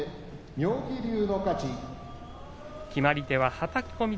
決まり手は、はたき込み。